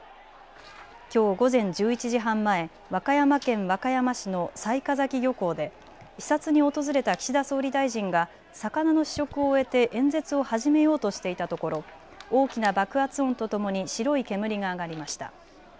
きょう午前１１時半前、和歌山県和歌山市の雑賀崎漁港で視察に訪れた岸田総理大臣が魚の試食を終えて演説を始めようとしていたところ大きな爆発音とともに白い煙が上がりました。